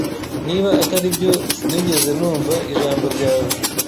Niba atari byo sinigeze numva ijambo ryawe